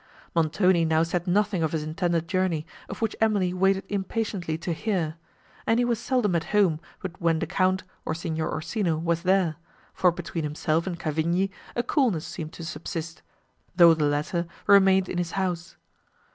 Montoni now said nothing of his intended journey, of which Emily waited impatiently to hear; and he was seldom at home but when the Count, or Signor Orsino, was there, for between himself and Cavigni a coolness seemed to subsist, though the latter remained in his house.